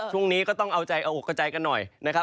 ช่วงนี้ก็ต้องออกกับใจกันหน่อยนะครับ